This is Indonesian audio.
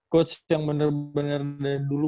coach yang bener bener dari dulu